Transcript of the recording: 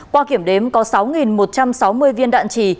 qua kiểm đếm có sáu một trăm sáu mươi viên đạn trì